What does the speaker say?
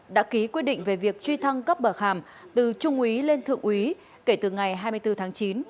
đã ký quyết định về việc truy thăng cấp bậc hàm từ trung úy lên thượng úy kể từ ngày hai mươi bốn tháng chín